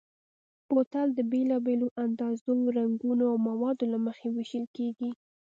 بوتل د بېلابېلو اندازو، رنګونو او موادو له مخې وېشل کېږي.